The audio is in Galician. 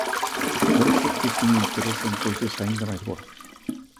Parece que tiña interese en peixes aínda máis gordos!